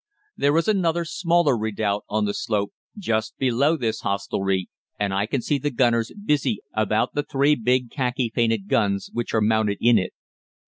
There is another smaller redoubt on the slope just below this hostelry, and I can see the gunners busy about the three big khaki painted guns which are mounted in it.